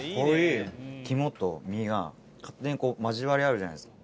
肝と身が勝手に交わり合うじゃないですか